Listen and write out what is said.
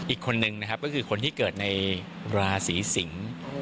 อีกคนนึงนะครับก็คือคนที่เกิดในราศีสิงศ์